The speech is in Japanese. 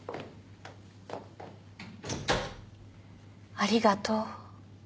ありがとう。